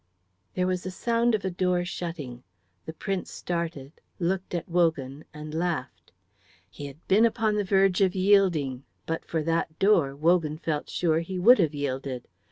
There was a sound of a door shutting; the Prince started, looked at Wogan, and laughed. He had been upon the verge of yielding; but for that door Wogan felt sure he would have yielded.